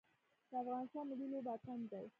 د افغانستان ملي لوبه اتن دی